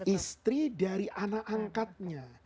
istri dari anak angkatnya